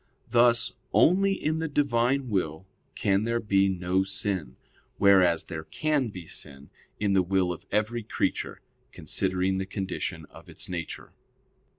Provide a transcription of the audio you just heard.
Thus only in the Divine will can there be no sin; whereas there can be sin in the will of every creature; considering the condition of its nature.